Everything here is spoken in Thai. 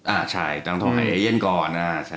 อ่าใช่ต้องโทรหาเอเย่นก่อน